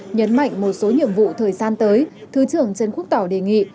nhấn mạnh một số nhiệm vụ thời gian tới thứ trưởng trần quốc tỏ đề nghị